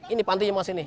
ini pantinya mas ini